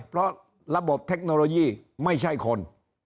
เพราะระบบเทคโนโลยีไม่ใช่คน